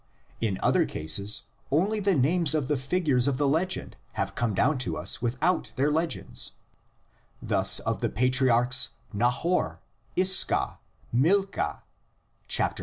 In other cases only the names of the figures of the legend have come down to us without their legends: thus of the patriarchs Nahor, Iscah, Milcah (xi.